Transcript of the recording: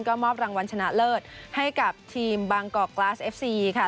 ก็มอบรางวัลชนะเลิศให้กับทีมบางกอกกลาสเอฟซีค่ะ